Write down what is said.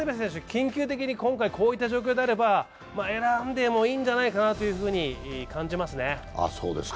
緊急的に今回、こういった状況であれば選んでもいいんじゃないかなと感じますね。